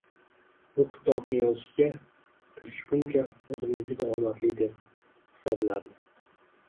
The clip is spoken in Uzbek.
Bu kitobni yozishga kirishguncha oʻzimni juda omadli deb hisoblardim.